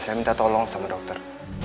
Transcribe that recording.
saya minta tolong sama dokter